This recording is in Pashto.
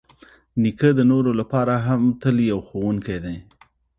نیکه د نورو لپاره هم تل یو ښوونکی دی.